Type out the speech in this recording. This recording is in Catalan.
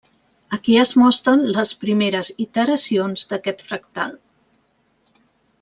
Aquí es mostren les primeres iteracions d'aquest fractal.